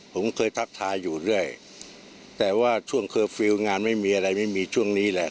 ผมเคยทักทายอยู่เรื่อยแต่ว่าช่วงเคอร์ฟิลล์งานไม่มีอะไรไม่มีช่วงนี้แหละ